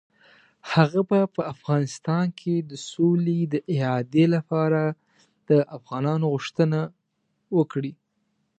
هغه به په افغانستان کې د سولې د اعادې لپاره د افغانانو غوښتنه وکړي.